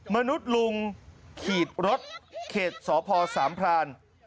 มนุษย์ลุงขีดรถเขตสพสามพราน